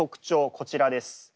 こちらです。